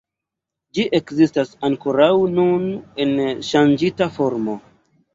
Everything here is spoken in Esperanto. Ĝi ekzistas ankoraŭ nun en ŝanĝita formo.